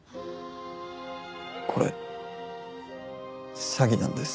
これ詐欺なんです。